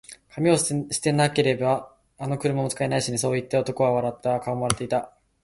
「紙を捨てなけれれば、あの車も使えないしね」そう言って、男は笑った。顔も笑っていた。